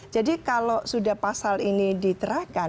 jadi kalau sudah pasal ini diterahkan